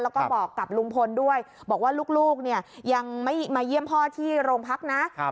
แล้วก็บอกกับลุงพลด้วยบอกว่าลูกเนี่ยยังไม่มาเยี่ยมพ่อที่โรงพักนะ